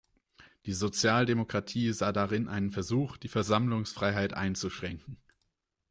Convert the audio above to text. Die Sozialdemokratie sah darin einen Versuch, die Versammlungsfreiheit einzuschränken.